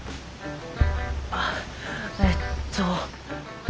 あえっと